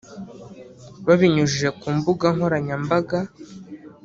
Babinyujije ku mbuga nkoranyambaga